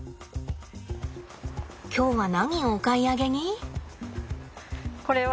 今日は何をお買い上げに？